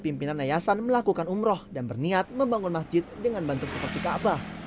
pimpinan yayasan melakukan umroh dan berniat membangun masjid dengan bentuk seperti kaabah